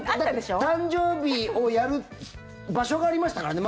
誕生日をやる場所がありましたからね。